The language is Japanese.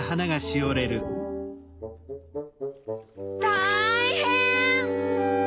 たいへん！